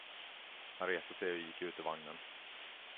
Han reste sig och gick ut ur vagnen.